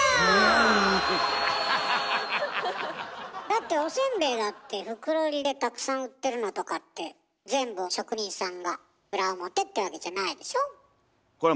だっておせんべいだって袋売りでたくさん売ってるのとかって全部を職人さんが裏表ってわけじゃないでしょ？